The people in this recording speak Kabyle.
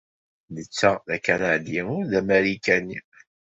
Netta d akanadi, ur d amarikani.